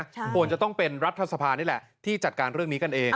ควรจะต้องเป็นรัฐสภานี่แหละที่จัดการเรื่องนี้กันเอง